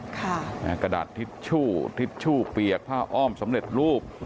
กระดาษทิชชู่ทิชชู่เปียกผ้าอ้อมสำเร็จรูป